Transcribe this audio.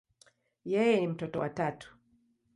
Yeye ni mtoto wa tatu.